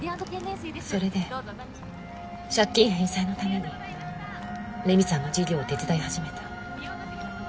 それで借金返済のために麗美さんの事業を手伝い始めた。